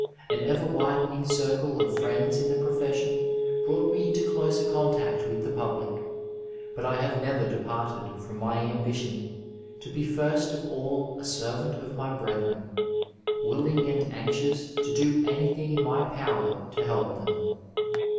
An ever widen ing circle of friends in the profession brought me into closer contact with the public, but I have never departed from my ambition to be first of all a servant of my brethren, willing and anxious to do anything in my power to help them.